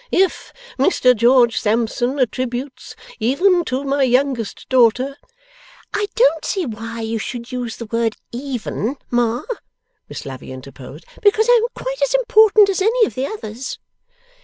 If Mr George Sampson attributes, even to my youngest daughter ' ['I don't see why you should use the word "even", Ma,' Miss Lavvy interposed, 'because I am quite as important as any of the others.